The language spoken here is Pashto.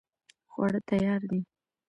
خواړه تیار دي